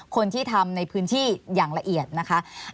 คนที่ทำในพื้นที่อย่างละเอียดนะคะ